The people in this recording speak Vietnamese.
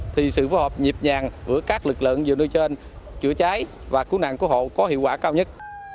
thì sự phối hợp nhịp nhàng của các lực lượng vừa trên chữa cháy và cứu nạn cứu hộ có hiệu quả cao nhất